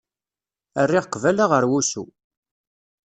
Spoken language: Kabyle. Rriɣ qbala ɣer wusu.